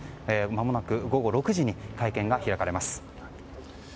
まもなく午後６時に会見が開かれます。